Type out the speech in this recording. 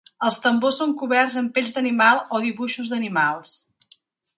Els tambors són coberts amb pells d'animals o dibuixos d'animals.